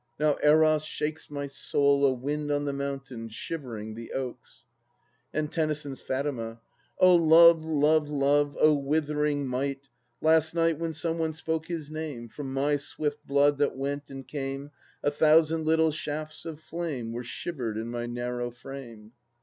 Now Eros shakes my soul, a wind on the mountain, shivering the oaks. And Tennyson's Fatima : Oh Love, Love, Love I Oh withering might 1 ... Last night, when some one spoke his name. From my swift blood that went and came A thousand little shafts of flame Were shivered in my narrow frame.